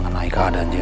gak apa apa ya